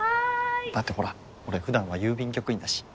だってほら俺普段は郵便局員だし。